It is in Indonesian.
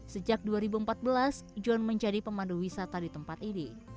sejak dua ribu empat belas john menjadi pemandu wisata di tempat ini